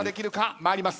参ります。